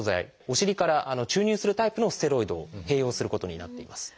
お尻から注入するタイプのステロイドを併用することになっています。